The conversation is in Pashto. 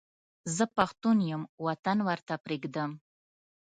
زه پښتون یم وطن ورته پرېږدم.